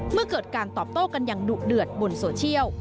เมื่อเกิดการตอบโต้กันอย่างดุเดือดบนโซเชียล